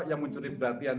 yang mencuri perhatian